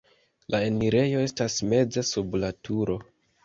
La enirejo estas meze sub la turo.